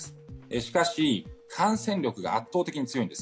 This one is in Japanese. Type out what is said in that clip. しかし、感染力が圧倒的に強いんです。